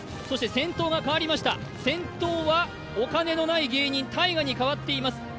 そして先頭が変わりました、お金のない芸人、ＴＡＩＧＡにかわっています。